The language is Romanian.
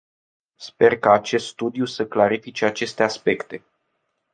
Sper ca acest studiu să clarifice aceste aspecte.